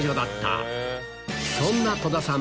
そんな戸田さん